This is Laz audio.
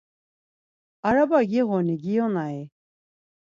Araba giğuni, giyonai?